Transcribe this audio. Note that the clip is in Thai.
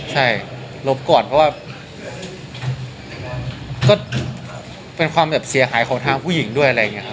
ใช่รบก่อนเพราะว่าเป็นความเสียหายของทางผู้หญิงด้วย